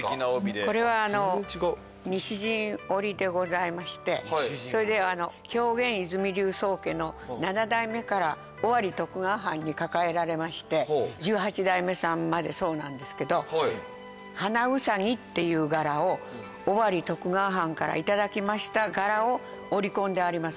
これは西陣織でございましてそれで狂言和泉流宗家の７代目から尾張徳川藩に抱えられまして１８代目さんまでそうなんですけど花兎っていう柄を尾張徳川藩からいただきました柄を織り込んであります